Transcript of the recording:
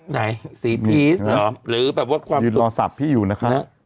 ไหน๔พีสหรอหรือแบบว่าความรู้ยืนรอสับพี่อยู่นะครับ